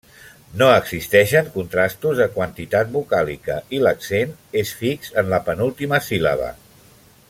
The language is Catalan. No existeixen contrastos de quantitat vocàlica i l'accent és fix en la penúltima síl·laba.